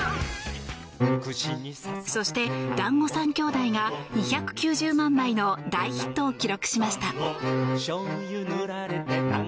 そして「だんご３兄弟」が２９０万枚の大ヒットを記録しました。